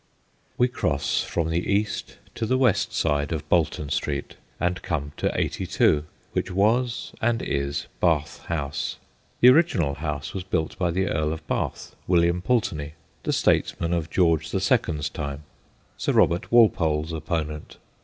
We cross from the east to the west side of Bolt on Street, and come to 82, which was and is Bath House. The original house was built by the Earl of Bath, William Pulteney, the statesman of George the Second's time, Sir Robert Walpole's opponent.